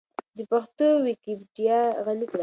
د پښتو ويکيپېډيا غني کړئ.